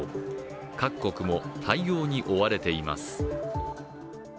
各国も対応に追われています。